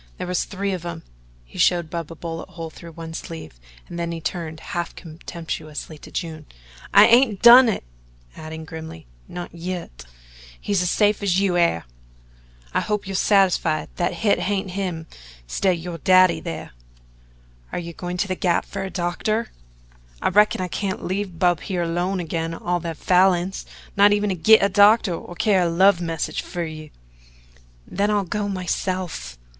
There was three of 'em." He showed Bub a bullet hole through one sleeve and then he turned half contemptuously to June: "I hain't done it" adding grimly "not yit. He's as safe as you air. I hope you're satisfied that hit hain't him 'stid o' yo' daddy thar." "Are you going to the Gap for a doctor?" "I reckon I can't leave Bub here alone agin all the Falins not even to git a doctor or to carry a love message fer you." "Then I'll go myself."